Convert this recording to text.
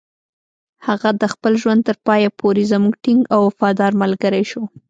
هغه د خپل ژوند تر پایه پورې زموږ ټینګ او وفادار ملګری شو.